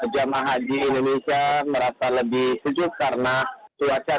jemaah haji di indonesia melakukan berapa hari